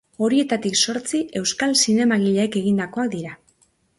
Horietatik zortzi euskal zinemagileek egindakoak dira.